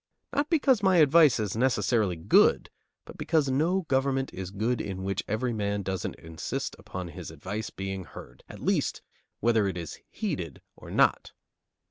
Not because my advice is necessarily good, but because no government is good in which every man doesn't insist upon his advice being heard, at least, whether it is heeded or not.